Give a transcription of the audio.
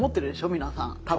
皆さん多分。